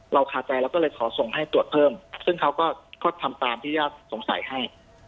คาใจเราก็เลยขอส่งให้ตรวจเพิ่มซึ่งเขาก็ทำตามที่ญาติสงสัยให้